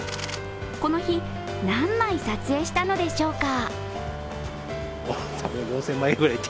この日、何枚撮影したのでしょうか